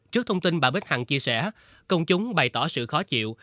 trước thông tin bà bích hằng chia sẻ công chúng bày tỏ sự khó chịu